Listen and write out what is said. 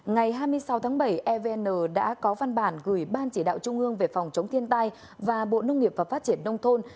ngày hai mươi sáu tháng bảy evn đã có văn bản gửi ban chỉ đạo trung ương về phòng chống thiên tai và bộ nông nghiệp và phát triển nông thôn